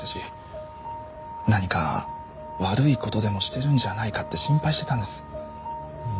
何か悪い事でもしてるんじゃないかって心配してたんです。